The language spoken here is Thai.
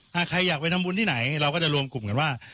ถ้าใครอยากไปทำบุญที่ไหนเราก็จะรวมกลุ่มกันว่า